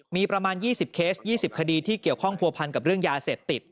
มีประมาณ๒๐เคส๒๐คดีที่เกี่ยวข้องผัวพันกับเรื่องยาเสพติด